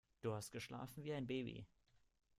Du hast geschlafen wie ein Baby.